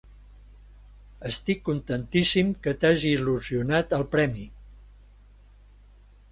Estic contentíssim que t'hagi il·lusionat el premi.